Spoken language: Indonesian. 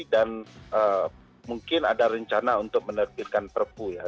dan mungkin ada rencana untuk menerbitkan perpu ya